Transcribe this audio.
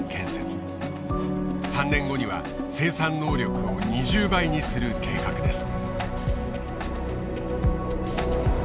３年後には生産能力を２０倍にする計画です。